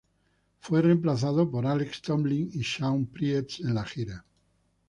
Fue reemplazado por Alex Tomlin y Shawn Priest en la gira.